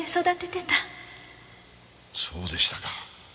そうでしたか。